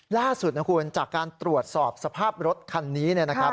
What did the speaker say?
ล่าสุดนะคุณจากการตรวจสอบสภาพรถคันนี้นะครับ